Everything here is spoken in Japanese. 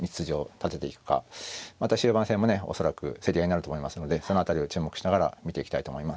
また終盤戦もね恐らく競り合いになると思いますのでその辺りを注目しながら見ていきたいと思います。